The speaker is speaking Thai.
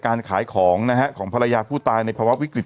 การขายของนะฮะของภรรยาผู้ตายในภาวะวิกฤต